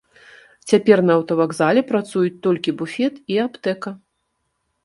Цяпер на аўтавакзале працуюць толькі буфет і аптэка.